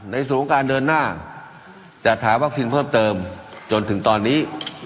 ศูนย์การเดินหน้าจัดหาวัคซีนเพิ่มเติมจนถึงตอนนี้